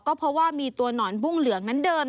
ก็เพราะว่ามีตัวหนอนบุ้งเหลืองนั้นเดิน